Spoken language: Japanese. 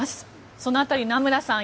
その辺り、名村さん